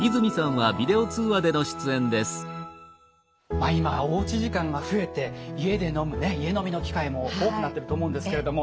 まあ今おうち時間が増えて家で飲むね家飲みの機会も多くなってると思うんですけれども。